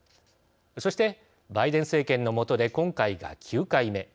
そして、バイデン政権のもとで今回が９回目。